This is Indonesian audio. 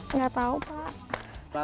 gak tau pak